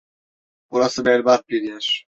Burası berbat bir yer.